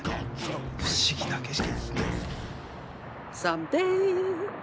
不思議な景色。